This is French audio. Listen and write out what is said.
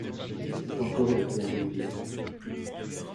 Dit encore le père d'Elvire.